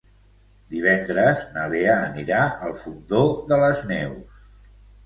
Divendres na Lea anirà al Fondó de les Neus.